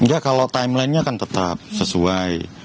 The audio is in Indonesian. enggak kalau timelinenya kan tetap sesuai